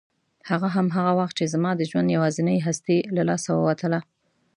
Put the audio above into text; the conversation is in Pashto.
هغه هم هغه وخت چې زما د ژوند یوازینۍ هستي له لاسه ووتله.